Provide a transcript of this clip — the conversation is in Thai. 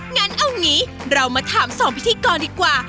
งั้นเอางี้เรามาถามสองพิธีกรดีกว่า